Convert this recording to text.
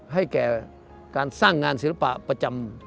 ให้แก่การสร้างงานศิลปะประจำ